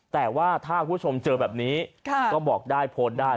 แต่ว่าถ้าคุณผู้ชมเจอแบบนี้ก็บอกได้โพสต์ได้